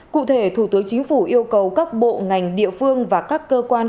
cụ thể thủ tướng chính phủ yêu cầu các bộ ngành địa phương và các cơ quan